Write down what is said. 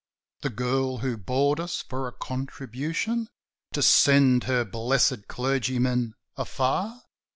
"The girl who bored us for a contribution To send her blessed clergyman afar?"